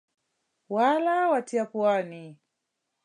Wala watiya puani?